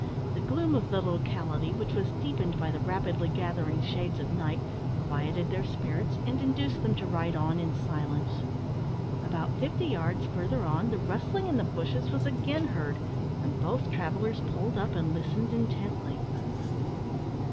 The gloom of the locality, which was deepened by the rapidly gathering shades of night, quieted their spirits, and induced them to ride on in silence. About fifty yards further on, the rustling in the bushes was again heard, and both travellers pulled up and listened intently.